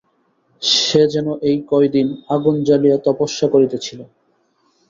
সে যেন এই কয়দিন আগুন জ্বালিয়া তপস্যা করিতেছিল।